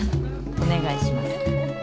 お願いします。